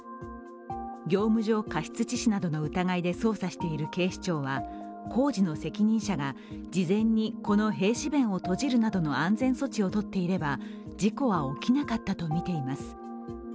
業務上過失致死などの疑いで捜査している警視庁は工事の責任者が事前にこの閉止弁を閉じるなどの安全措置を取っていれば事故は起きなかったと見ています。